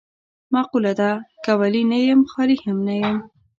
مقوله ده: که ولي نه یم خالي هم نه یم.